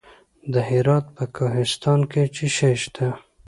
د هرات په کهسان کې څه شی شته؟